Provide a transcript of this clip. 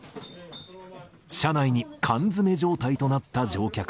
車内に缶詰め状態となった乗客。